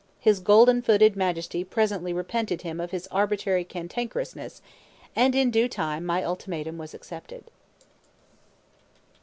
His Golden footed Majesty presently repented him of his arbitrary "cantankerousness," and in due time my ultimatum was accepted.